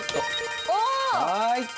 はい。